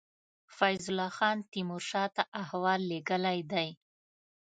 فیض الله خان تېمور شاه ته احوال لېږلی دی.